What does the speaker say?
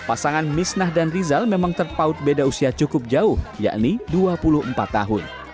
pasangan misnah dan rizal memang terpaut beda usia cukup jauh yakni dua puluh empat tahun